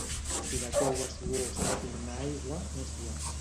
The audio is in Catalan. Si la teua suor s'ha de tornar aigua, no sues.